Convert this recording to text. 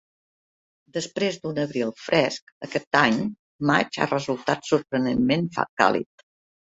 Després d'un abril fresc aquest any, maig ha resultat sorprenentment càlid